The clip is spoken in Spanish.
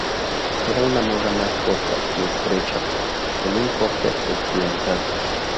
Era una moda más corta y estrecha, con un corte occidental.